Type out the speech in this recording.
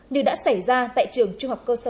như đã xảy ra tại trường trung học cơ sở trần phú